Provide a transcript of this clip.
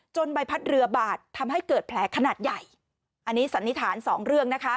ใบพัดเรือบาดทำให้เกิดแผลขนาดใหญ่อันนี้สันนิษฐานสองเรื่องนะคะ